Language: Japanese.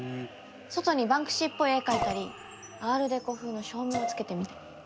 外にバンクシーっぽい絵描いたりアールデコ風の照明をつけてみたり。